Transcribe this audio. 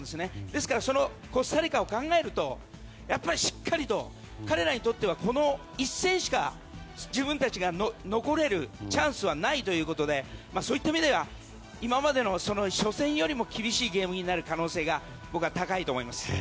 ですからコスタリカを考えるとしっかりと彼らにとってはこの１戦しか自分たちが残れるチャンスはないということでそういった意味では今までの初戦よりも厳しいゲームになる可能性が僕は高いと思います。